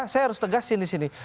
saya harus tegasin di sini